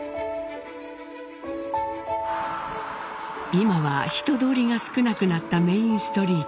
今は人通りが少なくなったメインストリート。